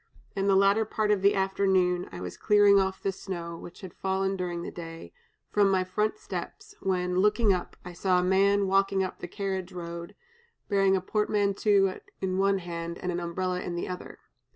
In the latter part of the afternoon, I was clearing off the snow, which had fallen during the day, from my front steps, when, looking up, I saw a man walking up the carriage road, bearing a portmanteau in one hand and an umbrella in the other.